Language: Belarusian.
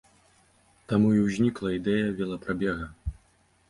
Таму і ўзнікла ідэя велапрабега.